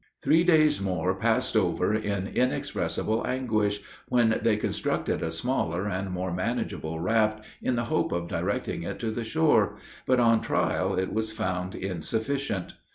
Three days more passed over in inexpressible anguish, when they constructed a smaller and more manageable raft, in the hope of directing it to the shore; but on trial it was found insufficient.